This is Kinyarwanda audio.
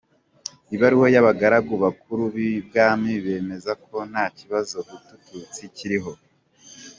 Ibaruwa y’abagaragu bakuru b’i Bwami bemeza ko nta kibazo Hutu-Tutsi kiriho.